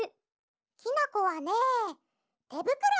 きなこはねてぶくろ！